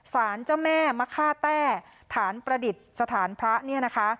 สารเจ้าแม่มะค่าแต้ฐานประดิษฐานพระเนี่ยนะคะ